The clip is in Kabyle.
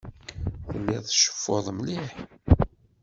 Telliḍ tceffuḍ mliḥ.